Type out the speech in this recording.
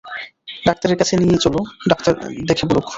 ডাক্তারের কাছে নিয়ে চলো, ডাক্তার দেখে বলুক।